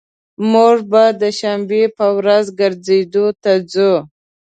موږ به د شنبي په ورځ ګرځیدو ته ځو